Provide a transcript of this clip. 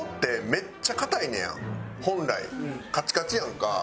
本来カチカチやんか。